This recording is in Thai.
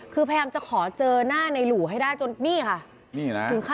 คือพยายามจะขอเจอหน้าในหลู่ให้ได้จนนี่ค่ะนี่นะ